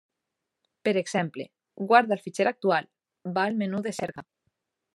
Per exemple, guarda el fitxer actual; va al menú de cerca.